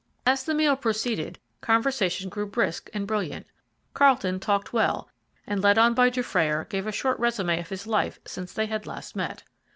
As the meal proceeded, conversation grew brisk and brilliant. Carlton talked well, and, led on by Dufrayer, gave a short résumé of his life since they had last met.